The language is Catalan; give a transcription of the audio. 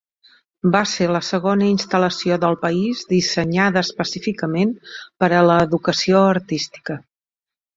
Va ser la segona instal·lació del país dissenyada específicament per a l'educació artística.